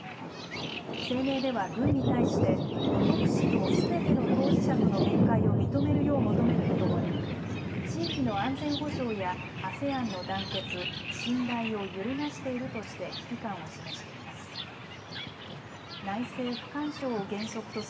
声明では軍に対して特使とすべての当事者との面会を認めるよう求めるとともに地域の安全保障やＡＳＥＡＮの団結、信頼を揺るがしているとして危機感を示しています。